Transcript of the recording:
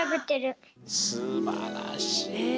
すばらしい。